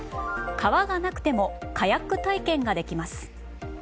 川がなくてもカヤック体験ができます。